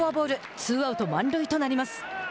ツーアウト、満塁となります。